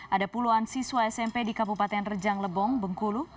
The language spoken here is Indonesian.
ada puluhan siswa smp di kabupaten rejang lebong bengkulu